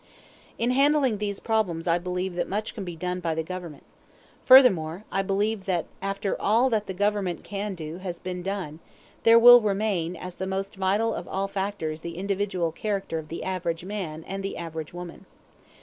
In handling these problems I believe that much can be done by the Government. Furthermore, I believe that, after all that the Government can do has been done, there will remain as the most vital of all factors the individual character of the average man and the average woman.